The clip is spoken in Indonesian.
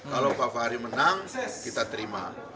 kalau pak fahri menang kita terima